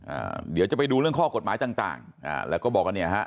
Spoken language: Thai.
อ่าเดี๋ยวจะไปดูเรื่องข้อกฎหมายต่างต่างอ่าแล้วก็บอกว่าเนี่ยฮะ